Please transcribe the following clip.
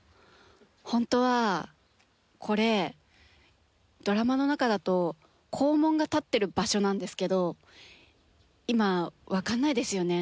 ホントはこれドラマの中だと校門が立ってる場所なんですけど今分かんないですよね。